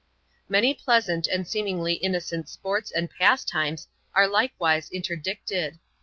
Many pleasant and seemingly innocent sports and pastimes are likewise interdicted.